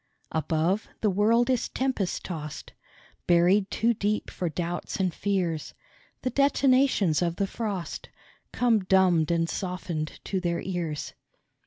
Above, the world is tempest tossed ; Buried too deep for doubts and fears, The detonations of the frost Come dumbed and softened to their ears.